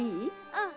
うん。